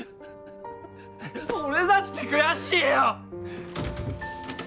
俺だって悔しいよ！